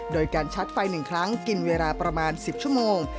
โดยการชัดไฟ๑ครั้งกินเวลาประมาณ๑๐ชั่วโมง